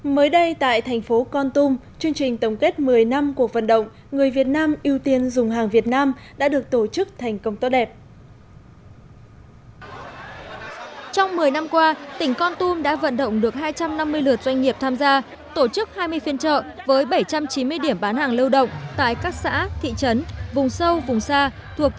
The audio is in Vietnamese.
mới đây tại thành phố con tum chương trình tổng kết một mươi năm cuộc vận động người việt nam ưu tiên dùng hàng việt nam đã được tổ chức